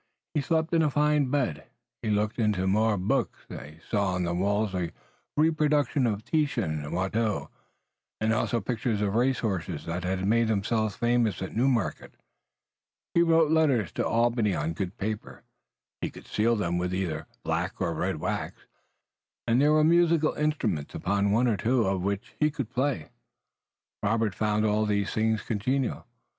He slept in a fine bed, he looked into more books, he saw on the walls reproductions of Titian and Watteau, and also pictures of race horses that had made themselves famous at Newmarket, he wrote letters to Albany on good paper, he could seal them with either black or red wax, and there were musical instruments upon one or two of which he could play. Robert found all these things congenial.